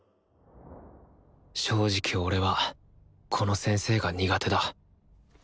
正直俺はこの先生が苦手だ。